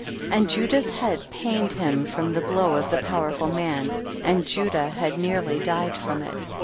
40. 'And Judah's head pained him from the blow of the powerful man, and Judah had nearly died from it.